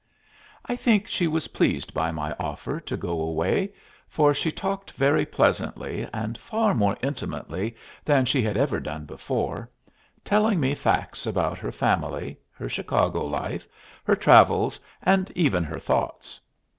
I think she was pleased by my offer to go away, for she talked very pleasantly, and far more intimately than she had ever done before, telling me facts about her family, her Chicago life, her travels, and even her thoughts.